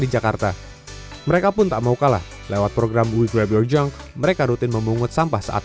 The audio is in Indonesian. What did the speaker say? di jakarta mereka pun tak mau kalah lewat program web we are young md protectin memungut sampah saat